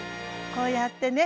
こうやってね